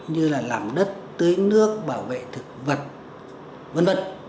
như là làm đất tưới nước bảo vệ thực vật vân vận